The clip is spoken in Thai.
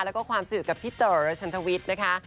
และความสะยุดกับพี่เต๋อชั้นทวิทย์นะคะ